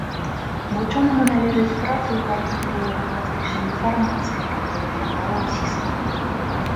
Вучонаму належаць працы ў галіне тэорыі пластычнай дэфармацыі і апрацоўкі металаў ціскам.